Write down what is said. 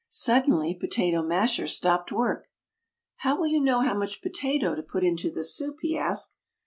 Suddenly Potato Masher stopped work. "How will you know how much potato to put into the soup?" he asked.